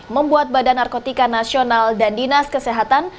membuat badan narkotika nasional dan dinas kesehatan